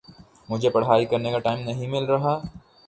مجھے پڑھائی کرنے کا ٹائم نہیں مل رہا